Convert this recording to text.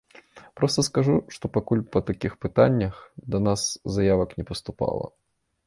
Проста скажу, што пакуль па такіх пытаннях да нас заявак не паступала.